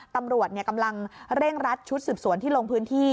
ตำรวจกำลังเร่งรัดชุดสืบสวนที่ลงพื้นที่